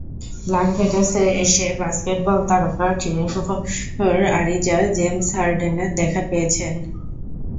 লাস ভেগাসে এসে বাস্কেটবল তারকা ট্রেভর আরিজা, জেমস হার্ডেনের দেখা পেয়েছেন।